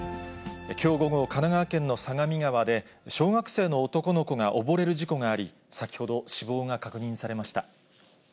きょう午後、神奈川県の相模川で、小学生の男の子が溺れる事故があり、先ほど、死亡が確認されました。